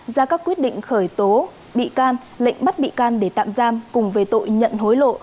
ra các quyết định khởi tố bị can lệnh bắt bị can để tạm giam cùng về tội nhận hối lộ